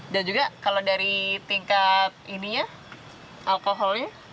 dan juga kalau dari tingkat ini ya alkoholnya